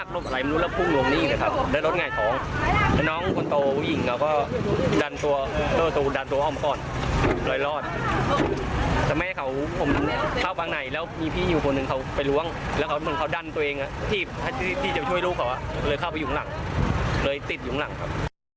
แล้วเหมือนเขาดันตัวเองที่จะช่วยลูกเขาเลยเข้าไปหยุงหลังเลยติดหยุงหลังครับ